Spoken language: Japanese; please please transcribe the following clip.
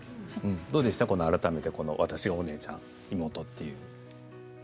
どうでしたか改めて私はお姉ちゃん、妹と。